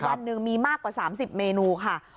วันหนึ่งมีมากกว่า๓๐เมนูค่ะ